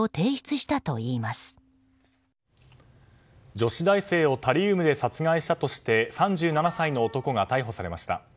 女子大生をタリウムで殺害したとして３７歳の男が逮捕されました。